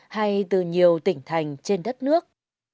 hay từ nhiều tỉnh thành trên đất nước